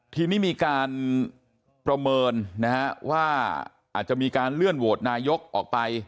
ทีนี้มีการประเมินนะฮะว่าอาจจะมีการเลื่อนโหวตนายกออกไป